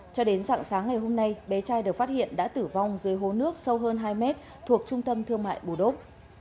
cho đến dạng sáng ngày hôm nay bé trai được phát hiện đã tử vong dưới hố nước sâu hơn hai mét thuộc trung tâm thương mại bù đốc